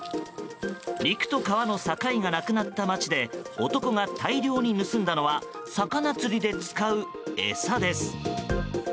陸と川の境がなくなった街で男が大量に盗んだのは魚釣りで使う餌です。